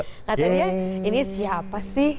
kata dia ini siapa sih